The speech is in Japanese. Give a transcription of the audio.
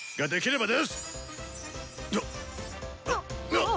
あっ！